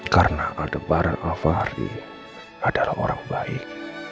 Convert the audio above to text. karena aldebaran alvari adalah orang baik